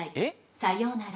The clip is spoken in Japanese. さようなら？